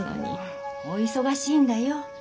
お忙しいんだよ。